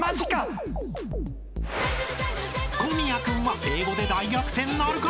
［小宮君は英語で大逆転なるか？］